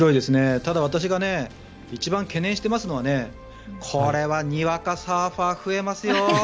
ただ、私が一番懸念しているのはこれはにわかサーファー増えますよ。